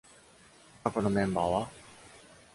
過去のメンバーは...